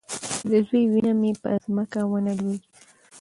چې د زوى وينه مې په ځمکه ونه لوېږي.